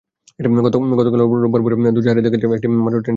গতকাল রোববার ভোরে দোহাজারী থেকে যাত্রী নিয়ে একটি ট্রেন চট্টগ্রামে এসেছে।